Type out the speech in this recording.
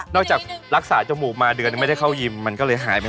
จากรักษาจมูกมาเดือนยังไม่ได้เข้ายิมมันก็เลยหายไป